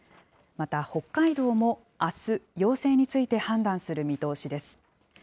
また北海道もあす、要請について判断する見通しです。